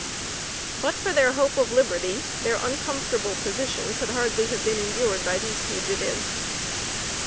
But for their hope of liberty, their uncomfortable position could hardly have been endured by these fugitives.